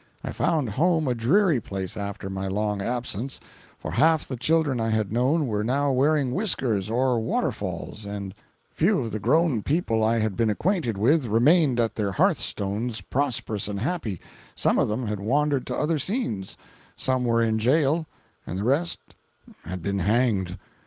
I found home a dreary place after my long absence; for half the children I had known were now wearing whiskers or waterfalls, and few of the grown people I had been acquainted with remained at their hearthstones prosperous and happy—some of them had wandered to other scenes, some were in jail, and the rest had been hanged.